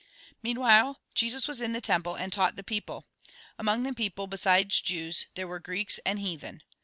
Meanwhile Jesus was in the temple, and taught the people. Among the people, besides Jews, there were Greeks and heathen.